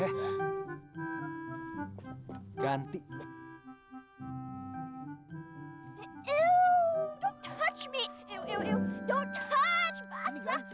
eh lupa aku mau ke rumah